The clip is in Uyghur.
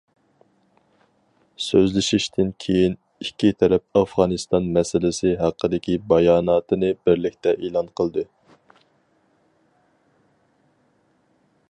سۆزلىشىشتىن كىيىن ئىككى تەرەپ ئافغانىستان مەسىلىسى ھەققىدىكى باياناتىنى بىرلىكتە ئېلان قىلدى.